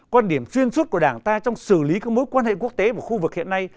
quan điểm xuyên suốt của đảng ta trong xử lý các mối quan hệ quốc tế và khu vực hiện nay